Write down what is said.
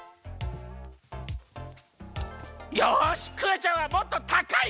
よしクヨちゃんはもっとたかい声をめざすぞ！